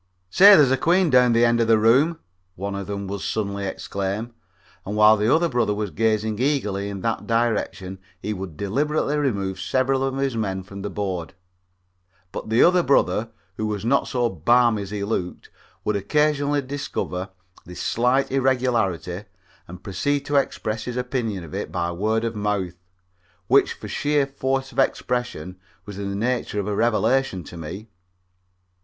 "Say, there's a queen down at the end of the room," one of them would suddenly exclaim, and while the other brother was gazing eagerly in that direction he would deliberately remove several of his men from the board. But the other brother, who was not so balmy as he looked, would occasionally discover this slight irregularity and proceed to express his opinion of it by word of mouth, which for sheer force of expression was in the nature of a revelation to me.